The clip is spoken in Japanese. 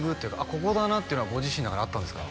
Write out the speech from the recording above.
ここだなっていうのはご自身の中であったんですか？